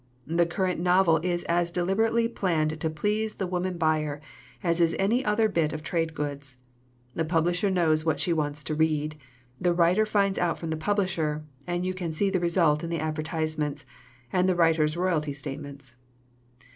The current novel is as deliberately planned to please the woman buyer as is any other bit of trade goods. The publisher knows what she wants to read, the writer finds out from the publisher, and you can see the result in the advertisements and the writer's royalty statements.